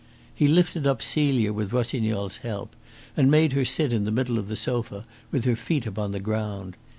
He lifted up Celia with Rossignol's help, and made her sit in the middle of the sofa with her feet upon the ground.